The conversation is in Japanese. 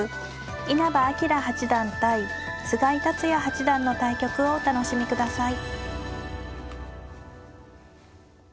稲葉陽八段対菅井竜也八段の対局をお楽しみください。